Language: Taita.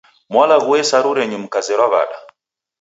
Mwalaghue saru renyu mkazerwa w'ada?